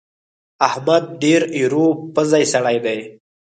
احمد ډېر ايرو پزی سړی دی.